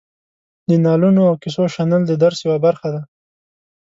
د نالونو او کیسو شنل د درس یوه برخه ده.